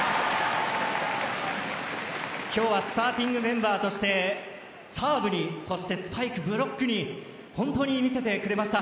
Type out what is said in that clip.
今日はスターティングメンバーとしてサーブに、そしてスパイクブロックに本当に見せてくれました。